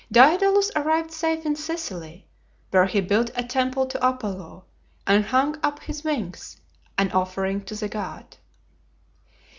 Daedalus arrived safe in Sicily, where he built a temple to Apollo, and hung up his wings, an offering to the god.